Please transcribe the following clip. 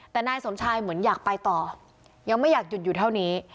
แต่นายสมชายเหมือนอยากไปต่อยังไม่อยากหยุดอยู่เท่านี้